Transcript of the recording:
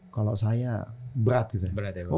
kalau saya berat gitu